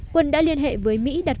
quân đã liên hệ với mỹ đặt về